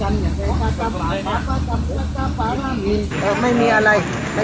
มีความคาดเตียวว่าจันทร์อย่างเทพภาคก็จับหลายหลายก็จับหลายก็จับหลาย